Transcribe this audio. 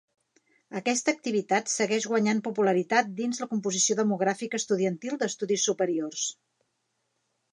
Aquesta activitat segueix guanyant popularitat dins la composició demogràfica estudiantil d'estudis superiors.